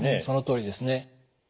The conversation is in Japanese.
そのとおりですね。